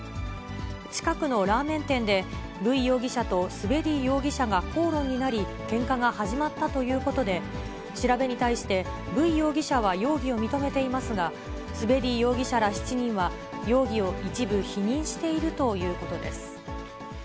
近くのラーメン店で、ブイ容疑者とスベディー容疑者が口論になり、けんかが始まったということで、調べに対して、ブイ容疑者は容疑を認めていますが、スベディー容疑者ら７人は、容疑を一部否認しているというこ